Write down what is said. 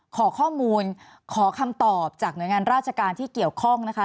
ขอข้อมูลขอคำตอบจากหน่วยงานราชการที่เกี่ยวข้องนะคะ